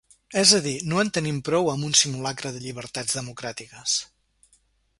És a dir, no en tenim prou amb un simulacre de llibertats democràtiques.